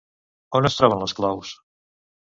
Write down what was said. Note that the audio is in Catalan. On es troben les claus?